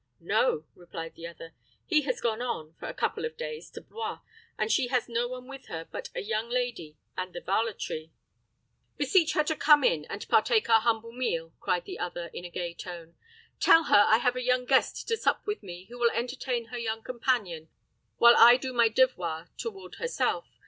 "No," replied the other. "He has gone on, for a couple of days, to Blois, and she has no one with her but a young lady and the varletry." "Beseech her to come in and partake our humble meal," cried the other, in a gay tone. "Tell her I have a young guest to sup with me, who will entertain her young companion while I do my devoir toward herself.